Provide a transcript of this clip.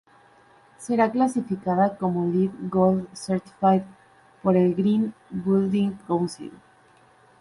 Será calificada como Leed Gold Certified por el Green Building Council.